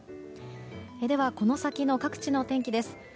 ではこの先の各地の天気です。